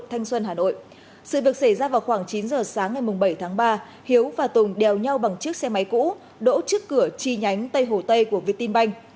hà nội sự việc xảy ra vào khoảng chín giờ sáng ngày bảy tháng ba hiếu và tùng đèo nhau bằng chiếc xe máy cũ đỗ trước cửa chi nhánh tây hồ tây của việt tinh banh